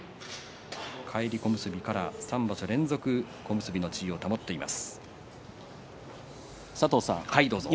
返り小結から３場所連続小結の地位を保っています、霧馬山。